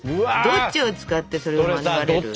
どっちを使ってそれを免れる？